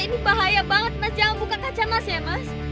ini bahaya banget baca buka kaca mas ya mas